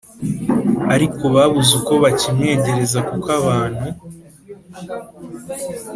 ariko babuze uko bakimwegereza kuko abantu